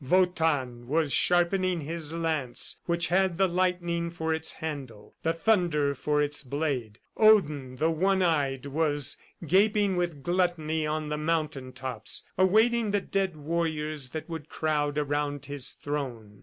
Wotan was sharpening his lance which had the lightning for its handle, the thunder for its blade. Odin, the one eyed, was gaping with gluttony on the mountain tops, awaiting the dead warriors that would crowd around his throne.